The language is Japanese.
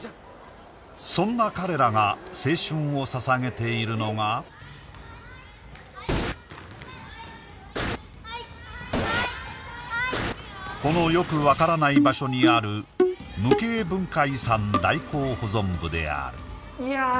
そんな彼らが青春をささげているのがはいはいごめんはいはいはいはいこのよくわからない場所にある無形文化遺産代行保存部であるいやー